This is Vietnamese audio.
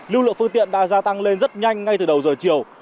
lưu lượng phương tiện đã gia tăng lên rất nhanh ngay từ đầu giờ chiều